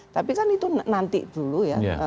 tapi kan itu nanti dulu ya